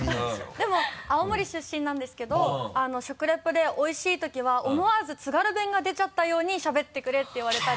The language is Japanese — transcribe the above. でも青森出身なんですけど食レポでおいしい時は思わず津軽弁が出ちゃったようにしゃべってくれって言われたり。